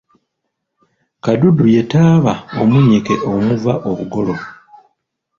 Kadudu ye taaba omunnyike omuva obugolo.